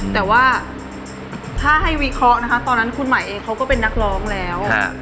แต่ว่าถ้าให้วิเคราะห์นะคะตอนนั้นคุณหมายเองเขาก็เป็นนักร้องแล้ว